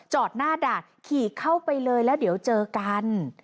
หน้าด่านขี่เข้าไปเลยแล้วเดี๋ยวเจอกัน